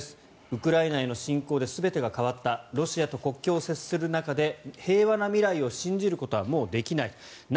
ウクライナへの侵攻で全てが変わったロシアと国境を接する中で平和な未来を信じることはもうできない